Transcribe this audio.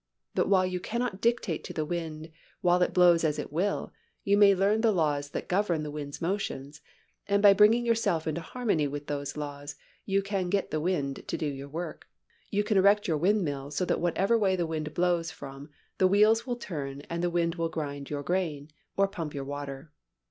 But while you cannot dictate to the wind, while it blows as it will, you may learn the laws that govern the wind's motions and by bringing yourself into harmony with those laws, you can get the wind to do your work. You can erect your windmill so that whichever way the wind blows from the wheels will turn and the wind will grind your grain, or pump your water.